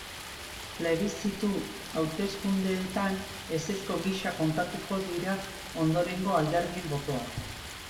Plebiszitu hauteskundeetan ezezko gisa kontatuko dira ondorengo alderdien botoak.